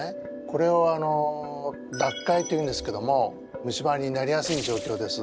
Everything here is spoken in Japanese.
これを脱灰というんですけども虫歯になりやすいじょうきょうです。